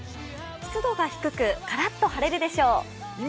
湿度が低く、カラッと晴れるでしょう。